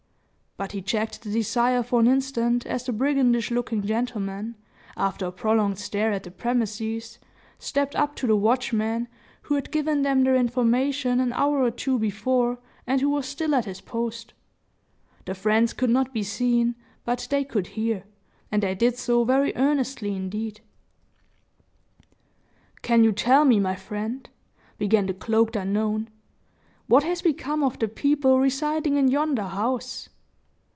But he checked the desire for an instant as the brigandish looking gentleman, after a prolonged stare at the premises, stepped up to the watchman, who had given them their information an hour or two before, and who was still at his post. The friends could not be seen, but they could hear, and they did so very earnestly indeed. "Can you tell me, my friend," began the cloaked unknown, "what has become of the people residing in yonder house?"